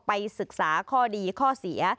ไปศึกษาข้อดีข้อเสีย